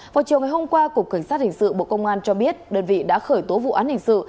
vào chiều ngày hôm qua cục cảnh sát hình sự bộ công an cho biết đơn vị đã khởi tố vụ án hình sự